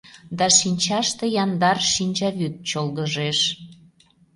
Да шинчаште Яндар шинчавӱд чолгыжеш…